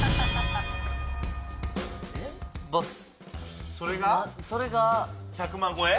ボス！